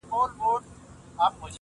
• پلار او مور خپلوان یې ټوله په غصه وي..